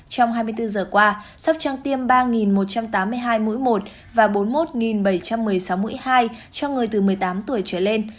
trong hai mươi bốn giờ qua sóc trăng tiêm ba một trăm tám mươi hai mũi một và bốn mươi một bảy trăm một mươi sáu mũi hai cho người từ một mươi tám tuổi trở lên